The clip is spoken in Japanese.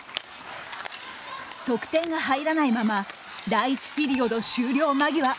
得点が入らないまま第１ピリオド終了間際。